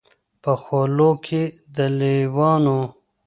په خولو کي د لېوانو